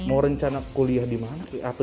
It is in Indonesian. mau rencana kuliah dimana kei